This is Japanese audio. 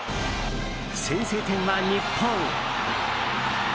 先制点は日本！